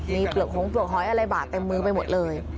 มีเปลือกหงเปลือกหอยอะไรบาดเต็มมือไปหมดเลย